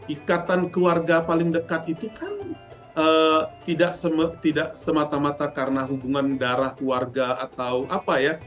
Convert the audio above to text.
ikatan keluarga paling dekat itu kan tidak semata mata karena hubungan darah keluarga atau apa ya